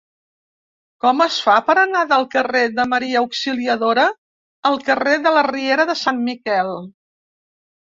Com es fa per anar del carrer de Maria Auxiliadora al carrer de la Riera de Sant Miquel?